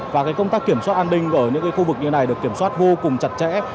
và công tác kiểm soát an ninh ở những khu vực như này được kiểm soát vô cùng chặt chẽ